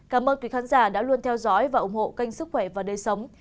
cảm ơn quý khán giả đã luôn theo dõi và ủng hộ kênh sức khỏe và đời sống